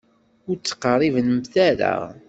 Ur d-ttqerribemt ara.